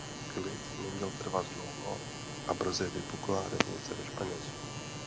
Klid neměl trvat dlouho a brzy vypukla revoluce ve Španělsku.